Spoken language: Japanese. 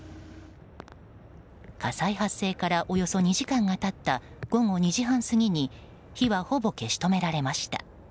火災発生からおよそ２時間が経った午後２時半過ぎに火は、ほぼ消し止められました。